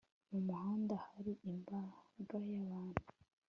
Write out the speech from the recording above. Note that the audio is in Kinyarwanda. Mu muhanda hari imbaga yabantu